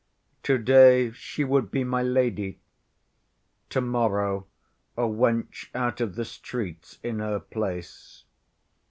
To‐day she would be my lady, to‐morrow a wench out of the streets in her place.